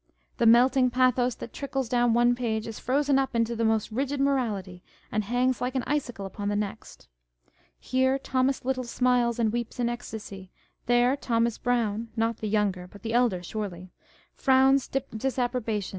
The melting pathos that trickles down one page is frozen up into the most rigid morality, and hangs like an icicle upon the next. Here Thomas Little smiles and weeps in ecstacy ; there Thomas Brown (not " the younger," but the elder surely)1 frowns disapprobation, and medi 1 Moore's uoms de plume.